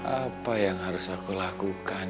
apa yang harus aku lakukan